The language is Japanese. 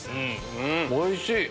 おいしい。